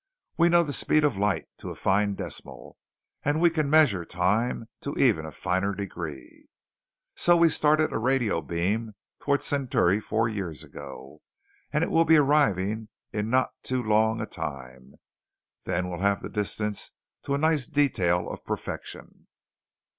"We know the speed of light to a fine decimal, and we can measure time to even a finer degree. So we started a radio beam towards Centauri four years ago, and it will be arriving in not too long a time. Then we'll have the distance to a nice detail of perfection."